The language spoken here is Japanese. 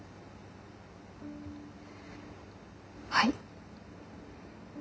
はい。